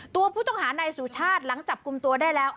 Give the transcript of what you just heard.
ตัวผู้ต้องหานายสุชาติหลังจับกลุ่มตัวได้แล้ว